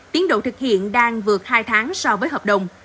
tiến độ thực hiện đang vượt hai tháng so với hợp đồng